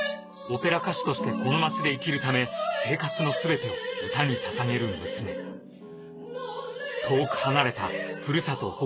オペラ歌手としてこの街で生きるため生活のすべてを歌に捧げる娘遠く離れたふるさと